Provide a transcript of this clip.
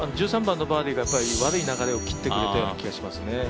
１３番のバーディーが悪い流れを切ってくれたような気がしますね。